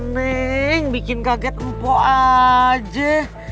neng bikin kaget empuk aja